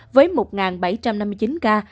với một bảy trăm năm mươi chín ca mắc mới trong một ngày